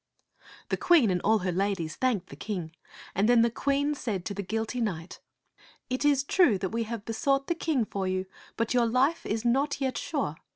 The Queen and all her ladies thanked the King; and then the Queen said to the guilty knight, " It is true that we have besought the King for you, but your life is not yet sure.